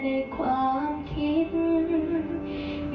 แต่ก็คงจะหมุนย้อนได้แค่ในความคิด